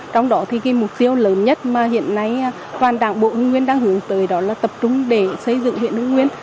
trong đó thì mục tiêu lớn nhất mà hiện nay toàn đảng bộ nguyên đang hướng tới đó là tập trung để xây dựng huyện hương nguyên